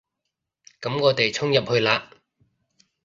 噉我哋衝入去啦